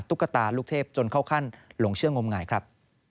ตุ๊กตาลูกเทพจนเข้าขั้นหลงเชื่องมงายครับ